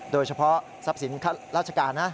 โดยเฉพาะทรัพย์สินค่าราชการนะ